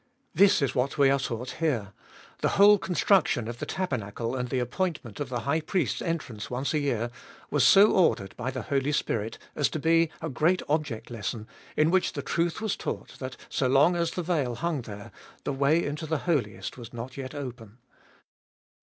This is what we are taught here : the whole construction of the tabernacle and the appointment of the high priest's entrance once a year was so ordered by the Holy Spirit as to be a great object lesson in which the truth was taught that so long as the veil hung there, the way into the Holiest was not yet open.